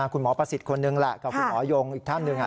ประสิทธิ์คนนึงแหละกับคุณหมอยงอีกท่านหนึ่ง